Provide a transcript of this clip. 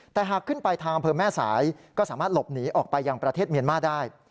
แต่หากขึ้นไปทางอำเภอแม่สายก็สามารถหลบหนีออกไปยังประเทศเมียนมาร์ได้